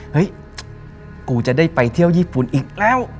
เฮ้ยกูจะได้ไปเที่ยวญี่ปุ่นอีกแล้ว